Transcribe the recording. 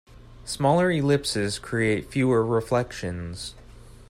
Smaller ellipses create fewer reflections.